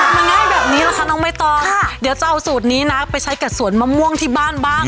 มันง่ายแบบนี้ล่ะคะน้องใบตองเดี๋ยวจะเอาสูตรนี้นะไปใช้กับสวนมะม่วงที่บ้านบ้าง